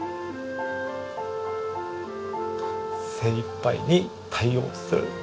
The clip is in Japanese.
精いっぱいに対応する。